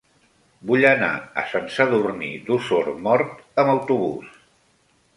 Vull anar a Sant Sadurní d'Osormort amb autobús.